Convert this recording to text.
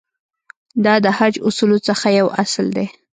دا د حج اصولو څخه یو اصل دی.